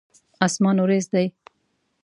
اسمان وريځ دی.